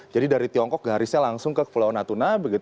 dari tiongkok garisnya langsung ke pulau natuna